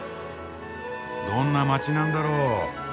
どんな街なんだろう？